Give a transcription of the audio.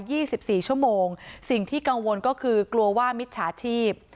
สิบสี่ชั่วโมงสิ่งที่กังวลก็คือกลัวว่ามิจฉาชีพ